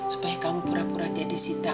supaya kamu pura pura jadi sita